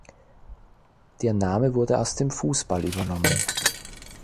Der Name wurde aus dem Fußball übernommen.